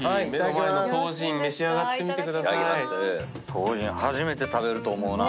トウジン初めて食べると思うな。